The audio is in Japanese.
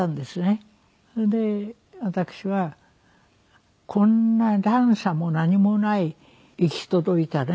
それで私は「こんな段差も何もない行き届いたね